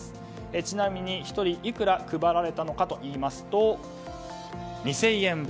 ちなみに、１人にいくら配られたのかというと２０００円分。